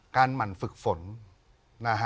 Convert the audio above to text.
การหมั่นฝึกฝน